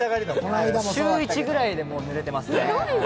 週１くらいでぬれてますね。